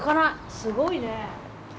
すごいね！